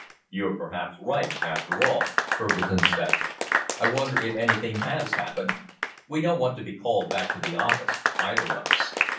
"You're perhaps right, after all," Fergusson said. "I wonder if anything has happened. We don't want to be called back to the office, either of us.